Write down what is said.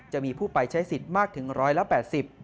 จะมีผู้ไปใช้สิทธิ์มากถึงร้อยละแปดสิบ